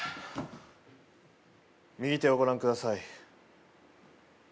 右手をご覧ください